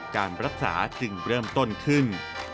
การรักษาจึงเริ่มต้นขึ้น